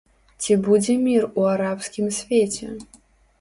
Ці будзе мір у арабскім свеце?